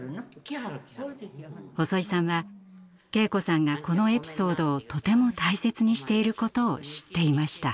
細井さんは敬子さんがこのエピソードをとても大切にしていることを知っていました。